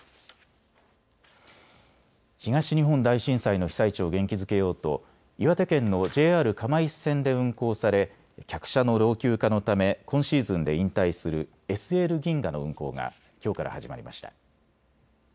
東日本大震災の被災地を元気づけようと岩手県のＪＲ釜石線で運行され客車の老朽化のため今シーズンで引退するＳＬ銀河の運行がきょうから始まりました。